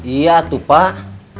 iya atu pak